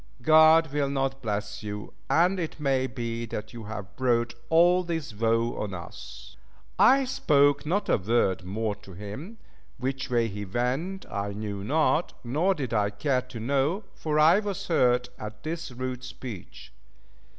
God will not bless you, and it may be that you have brought all this woe on us." I spoke not a word more to him; which way he went I knew not, nor did I care to know, for I was hurt at this rude speech.